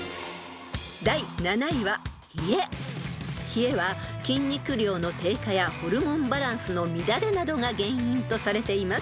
［冷えは筋肉量の低下やホルモンバランスの乱れなどが原因とされています］